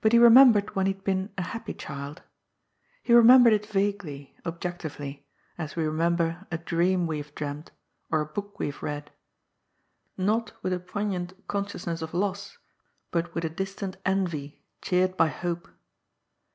But he remembered when he had been a happy child. He remembered it vaguely, objectively, as we remember a dream we have dreamed or a book we have read. Not with a poignant consciousness of loss, but with a distant envy cheered by hope.